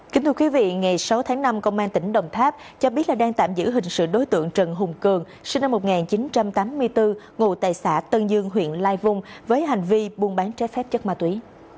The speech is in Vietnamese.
kính thưa quý vị ngày sáu tháng năm công an tỉnh đồng tháp cho biết là đang tạm giữ hình sự đối tượng trần hùng cường sinh năm một nghìn chín trăm tám mươi bốn ngụ tại xã tân dương huyện lai vung với hành vi buôn bán trái phép chất ma túy